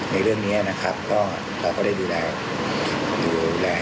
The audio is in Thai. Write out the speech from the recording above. ในเรื่องนี้เราก็ได้ดูแล